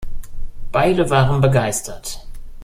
Beide waren begeistert.